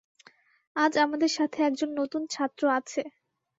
আজ আমাদের সাথে একজন নতুন ছাত্র আছে।